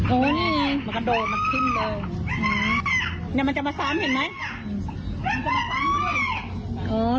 โอ้โหนี่มันกระโดดมันขึ้นเลยอืมเนี้ยมันจะมาซ้ำเห็นไหมอืม